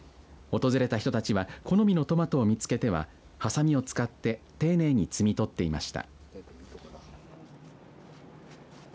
訪れた人たちは好みのトマトを見つけてはハサミを使って丁寧に摘み取っていました。